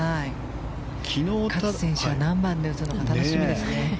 勝選手が何番で打つのか楽しみですね。